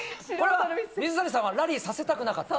水谷さんはラリーさせたくなかったと。